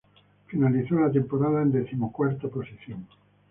Finalizó la temporada en decimocuarta posición.